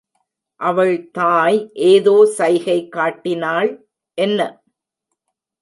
அவள் தாய் ஏதோ சைகை காட்டினாள்... என்ன?